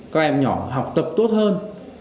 các em nhỏ học tập tốt hơn